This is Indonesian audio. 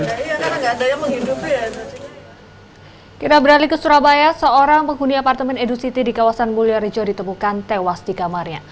kira kira berhari ke surabaya seorang penghuni apartemen edu city di kawasan mulyarijo ditemukan tewas di kamarnya